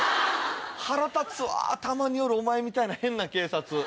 腹立つわたまにおるお前みたいな変な警察。